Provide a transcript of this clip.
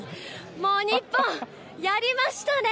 もう日本、やりましたね。